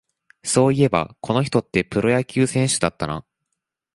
そういえば、この人ってプロ野球選手だったな